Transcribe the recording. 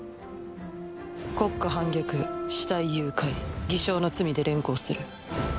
国家反逆死体誘拐偽証の罪で連行する。